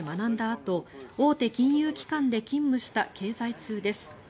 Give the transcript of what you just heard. あと大手金融機関で勤務した経済通です。